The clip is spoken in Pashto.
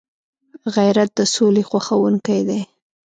غیرت د سولي خوښونکی دی